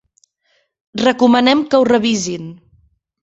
Recomanem que ho revisin.